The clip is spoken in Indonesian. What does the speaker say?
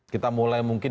kita mulai mungkin